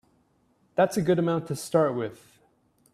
That's a good amount to start with.